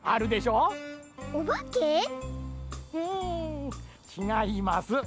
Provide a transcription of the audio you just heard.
ううんちがいます。